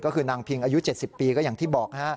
ก็คือนางพิงอายุ๗๐ปีก็อย่างที่บอก